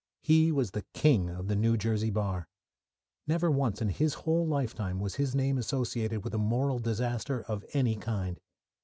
He was the king of the New Jersey bar. Never once in his whole lifetime was his name associated with a moral disaster of any kind.